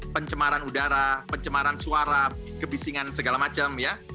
pencemaran udara pencemaran suara kebisingan segala macam ya